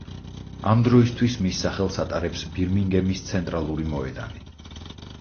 ამ დროისთვის მის სახელს ატარებს ბირმინგემის ცენტრალური მოედანი.